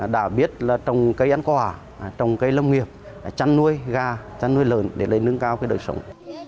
đã biết là trồng cây ăn quả trồng cây lông nghiệp chăn nuôi gà chăn nuôi lợn để nâng cao đời sống